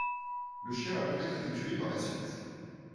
Le chien a peut-être été tué par la suite.